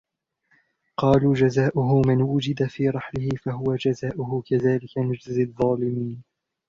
قالوا جزاؤه من وجد في رحله فهو جزاؤه كذلك نجزي الظالمين